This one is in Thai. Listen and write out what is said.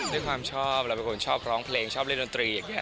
ด้วยความชอบเราเป็นคนชอบร้องเพลงชอบเล่นดนตรีอย่างนี้